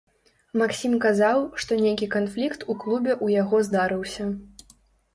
Максім казаў, што нейкі канфлікт у клубе ў яго здарыўся.